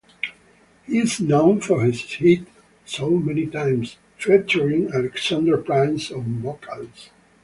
He is known for his hit "So Many Times", featuring Alexandra Prince on vocals.